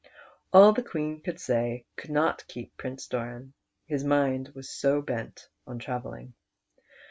All the Queen could say could not keep Prince Doran, his mind was so bent on travelling.